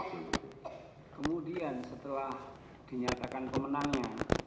kemudian setelah dinyatakan pemenangnya